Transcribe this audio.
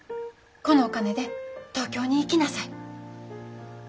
このお金で東京に行きなさい」。